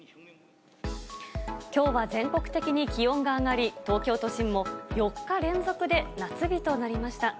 きょうは全国的に気温が上がり、東京都心も４日連続で夏日となりました。